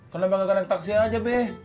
kenapa gak naik taksi aja be